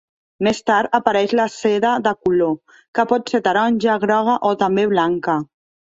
Més tard apareix la seda de color, que pot ser taronja, groga o també blanca.